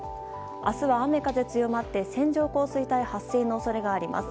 明日は雨風強まって線状降水帯発生の恐れがあります。